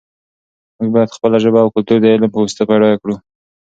موږ باید خپله ژبه او کلتور د علم په واسطه بډایه کړو.